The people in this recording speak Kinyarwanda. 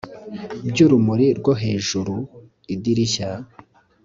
Bya urumuri rwo hejuruidirishya